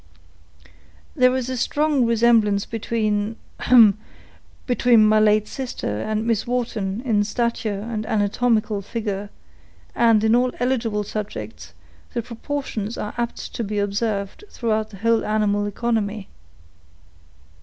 There is a strong resemblance between—hem—between my late sister and Miss Wharton in stature and anatomical figure; and, in all eligible subjects, the proportions are apt to be observed throughout the whole animal economy."